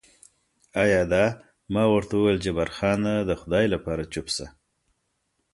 ایا دا؟ ما ورته وویل جبار خان، د خدای لپاره چوپ شه.